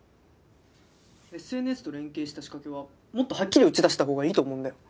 ＳＮＳと連携した仕掛けはもっとはっきり打ち出したほうがいいと思うんだよ。